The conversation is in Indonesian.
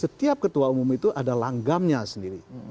setiap ketua umum itu ada langgamnya sendiri